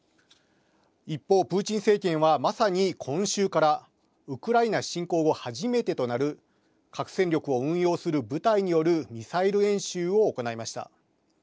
一方プーチン政権は、まさに今週からウクライナ侵攻後、初めてとなる核戦力を運用する部隊によるミサイル演習を行いました。